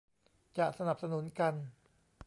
จะสนับสนุนกัน